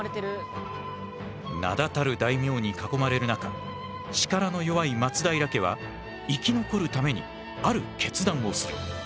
名だたる大名に囲まれる中力の弱い松平家は生き残るためにある決断をする。